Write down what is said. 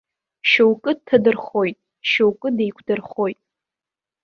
Шьоукы дҭадырхоит, шьоукы деиқәдырхоит.